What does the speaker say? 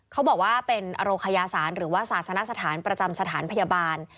เขาบอกว่าเป็นอโรคยาศาสตร์หรือว่าศาสนสถานประจำสถานพยาบาล